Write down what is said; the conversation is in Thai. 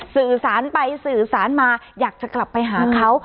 สื่อสารไปสื่อสารมาอยากจะกลับไปหาเขา